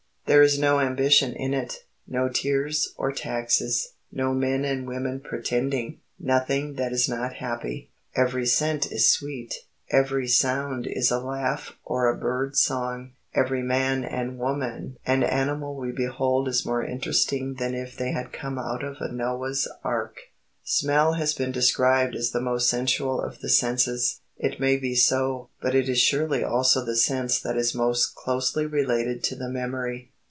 There is no ambition in it, no tears or taxes, no men and women pretending, nothing that is not happy. Every scent is sweet, every sound is a laugh or a bird's song. Every man and woman and animal we behold is more interesting than if they had come out of a Noah's Ark. Smell has been described as the most sensual of the senses. It may be so, but it is surely also the sense that is most closely related to the memory.